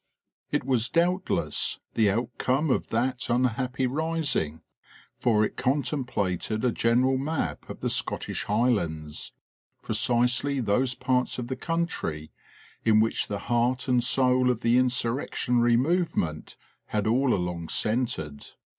It was doubtless the outcome of that unhappy rising for it con templated a general map of the Scottish highlands, precisely those parts of the country in which the heart and soul of the insurrectionary movement had all along centered.